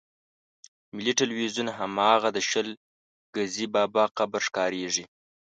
ملي ټلویزیون هماغه د شل ګزي بابا قبر ښکارېږي.